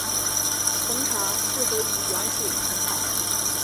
红茶适合以软水冲泡。